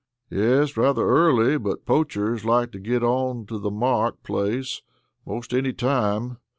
"Yes; rather early, but poachers like to get on to the Mark place 'most any time.